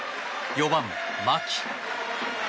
４番、牧。